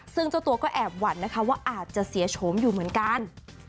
ซึ่งเจ้าตัวก็แอบหวั่นนะคะว่าอาจจะเสียโฉมอยู่เหมือนกัน